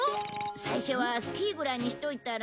最初はスキーぐらいにしといたら？